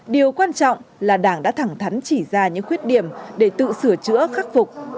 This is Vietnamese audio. điều quan trọng là đảng đã thẳng thắn chỉ ra những khuyết điểm để tự sửa chữa khắc phục